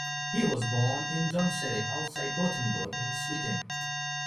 He was born in Jonsered outside Gothenburg in Sweden.